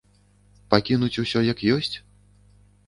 Пакінуць усё як ёсць?